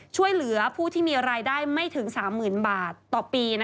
ช่วยเหลือผู้ที่มีรายได้ไม่ถึง๓๐๐๐บาทต่อปี